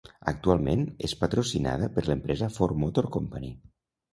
Actualment és patrocinada per l'empresa Ford Motor Company.